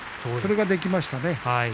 それができましたね。